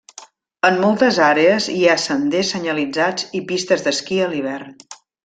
En moltes àrees hi ha senders senyalitzats i pistes d'esquí a l'hivern.